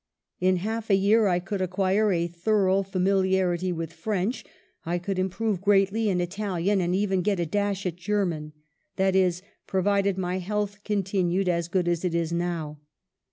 In half a year I could acquire a thorough familiarity with French. I could improve greatly in Italian, and even get a dash at German ; i. e. providing my health con tinued as good as it is now.